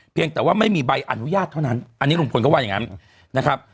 แต่ว่าไม่มีใบอนุญาตเท่านั้นอันนี้ลุงพลก็ว่าอย่างนั้นนะครับ